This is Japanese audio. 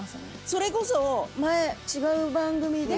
それこそ前違う番組で。